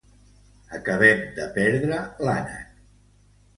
Acabem de perdre l'ànec.